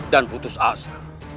dan putus asa